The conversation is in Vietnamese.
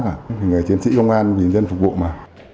mình là chiến sĩ công an mình là dân phục vụ mà